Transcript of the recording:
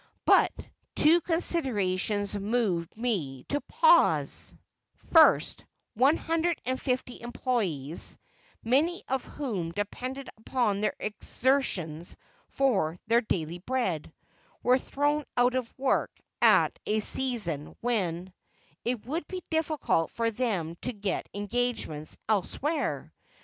But, two considerations moved me to pause: First, one hundred and fifty employees, many of whom depended upon their exertions for their daily bread, were thrown out of work at a season when it would be difficult for them to get engagements elsewhere.